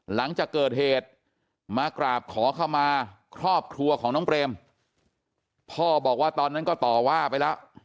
หลังจากเกิดเหตุมากราบขอเข้ามาครอบครัวของน้องเปรมพ่อบอกว่าตอนนั้นก็ต่อว่าไปแล้ว